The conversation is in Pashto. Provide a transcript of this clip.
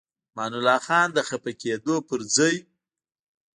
امان الله خان د خفه کېدو پر ځای.